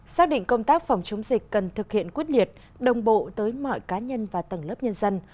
xác định công tác phòng chống dịch cần thực hiện quyết liệt đồng bộ tới mọi cá nhân và tầng lớp nhân dân